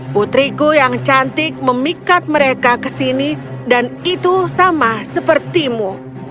putriku yang cantik memikat mereka ke sini dan itu sama sepertimu